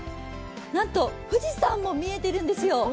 なんと富士山も見えているんですよ。